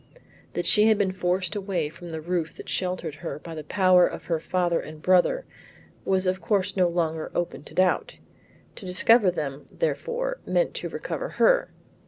That she had been forced away from the roof that sheltered her by the power of her father and brother was of course no longer open to doubt. To discover them, therefore, meant to recover her.